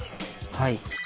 はい。